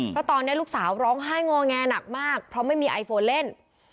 เพราะตอนนี้ลูกสาวร้องไห้งอแงหนักมากเพราะไม่มีไอโฟนเล่น